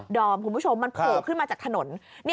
อมคุณผู้ชมมันโผล่ขึ้นมาจากถนน